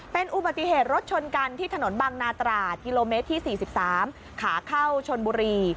เป็นอุบัติเหตุรถชนกันที่ถนนบางนาตรากิโลเมตรที่๔๓ขาเข้าชนบุรี